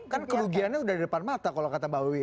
kan kerugiannya udah di depan mata kalau kata mbak wiwi